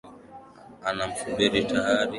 Anamsubiri tayari.